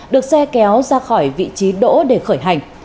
được xe kéo ra khỏi vị trí đỗ để khởi hành